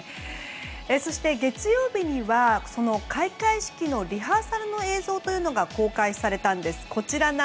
そして、月曜日にはその開会式のリハーサルの映像というのが公開されたんです。